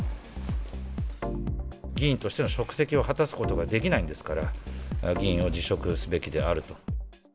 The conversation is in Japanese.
議員としての職責を果たすことができないんですから、議員を辞職すべきであると。